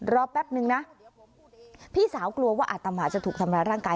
แป๊บนึงนะพี่สาวกลัวว่าอาตมาจะถูกทำร้ายร่างกาย